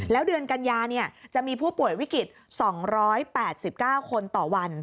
แล้วเดือนกัญญาจะมีผู้ป่วยวิกฤต๒๘๙คนต่อวัน